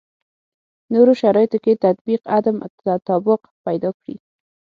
نورو شرایطو کې تطبیق عدم تطابق پیدا کړي.